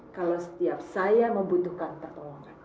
kalau setiap saya membutuhkan pertolongan